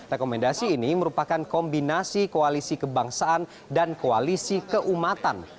rekomendasi ini merupakan kombinasi koalisi kebangsaan dan koalisi keumatan